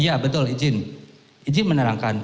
iya betul ijin menerangkan